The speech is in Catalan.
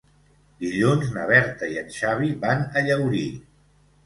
Dilluns na Berta i en Xavi van a Llaurí.